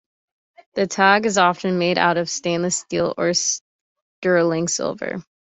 The tag is often made out of stainless steel or sterling silver.